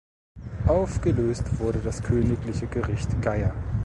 Aufgelöst wurde das Königliche Gericht Geyer.